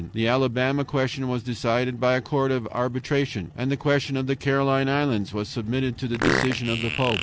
The Alabama question was decided by a court of arbitration, and the question of the Caroline Islands was submitted to the decision of the Pope.